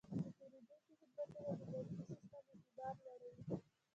د پیرودونکو خدمتونه د بانکي سیستم اعتبار لوړوي.